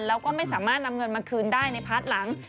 แล้วก็ไม่สามารถนำเงินมาคืนได้ในพาร์ทหลัง